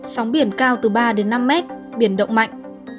sóng biển cao từ ba năm m biển động mạnh